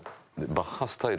バッハスタイル。